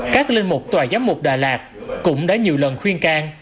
các linh mục tòa giám mục đà lạt cũng đã nhiều lần khuyên can